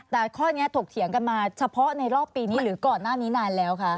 แต่ข้อนี้ถกเถียงกันมาเฉพาะในรอบปีนี้หรือก่อนหน้านี้นานแล้วคะ